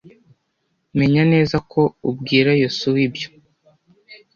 Menya neza ko ubwira Yosuwa ibyo.